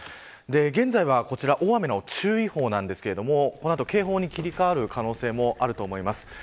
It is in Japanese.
現在はこちら大雨の注意報なんですがこの後、警報に切り替わる可能性もあると思います。